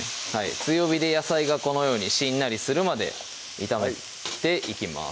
強火で野菜がこのようにしんなりするまで炒めていきます